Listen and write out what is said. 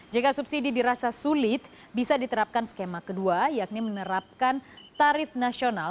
jika subsidi dirasa sulit bisa diterapkan skema kedua yakni menerapkan tarif nasional